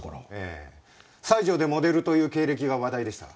才女でモデルという経歴が話題でした。